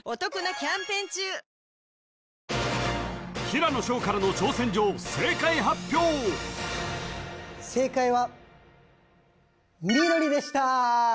平野紫耀からの挑戦状正解発表正解は緑でしたー